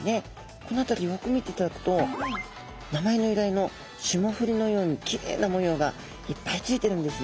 この辺りをよく見ていただくと名前の由来のシモフリのようにきれいな模様がいっぱいついてるんですね。